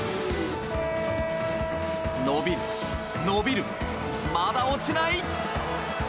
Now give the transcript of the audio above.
伸びる、伸びる、まだ落ちない！